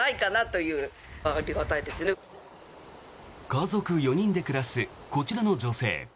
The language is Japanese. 家族４人で暮らすこちらの女性。